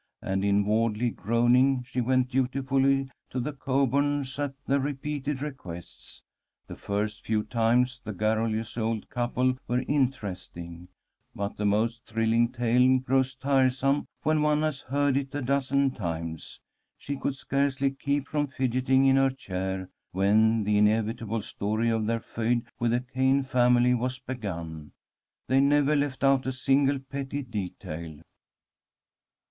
And inwardly groaning, she went dutifully to the Coburns' at their repeated requests. The first few times the garrulous old couple were interesting, but the most thrilling tale grows tiresome when one has heard it a dozen times. She could scarcely keep from fidgeting in her chair when the inevitable story of their feud with the Cayn family was begun. They never left out a single petty detail.